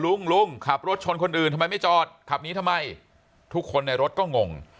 ลุงลุงขับรถชนคนอื่นทำไมไม่จอดขับหนีทำไมทุกคนในรถก็งง